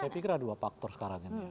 saya pikir ada dua faktor sekarang ini